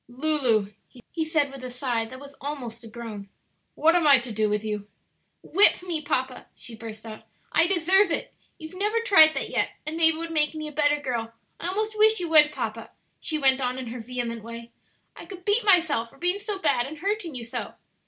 "Lulu," he said, with a sigh that was almost a groan, "what am I to do with you?" "Whip me, papa," she burst out; "I deserve it. You've never tried that yet, and maybe it would make me a better girl, I almost wish you would, papa," she went on in her vehement way; "I could beat myself for being so bad and hurting you so."